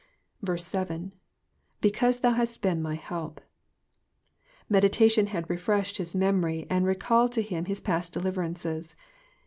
7. ^^ Because thou naet been my help,'*^ Meditation had refreshed his memory and recalled to him his past deliverances.